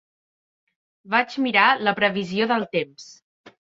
Vaig mirar la previsió del temps.